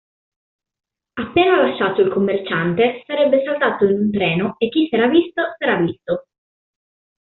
Appena lasciato il commerciante, sarebbe saltato in un treno e chi s'era visto s'era visto.